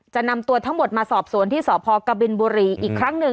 นำตัวทั้งหมดมาสอบสวนที่สพกบินบุรีอีกครั้งหนึ่ง